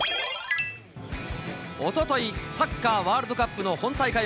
おととい、サッカーワールドカップの本大会